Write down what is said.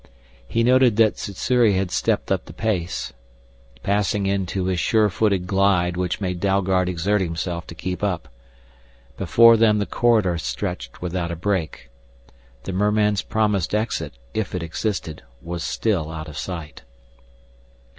He noted that Sssuri had stepped up the pace, passing into his sure footed glide which made Dalgard exert himself to keep up. Before them the corridor stretched without a break. The merman's promised exit, if it existed, was still out of sight.